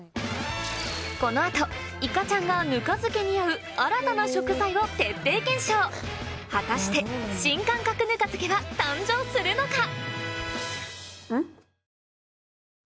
この後いかちゃんがぬか漬けに合う新たな食材を徹底検証果たして新感覚ぬか漬けは誕生するのか？